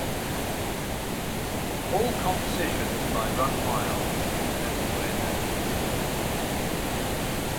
All compositions by Ron Miles except where noted